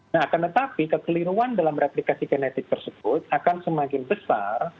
nah akan tetapi kekeliruan dalam replikasi genetik tersebut akan semakin besar